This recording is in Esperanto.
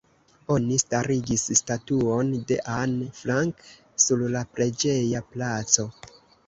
Oni starigis statuon de Anne Frank sur la preĝeja placo.